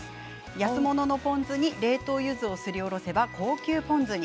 安物のポン酢に冷凍ゆずをすりおろせば高級ポン酢に。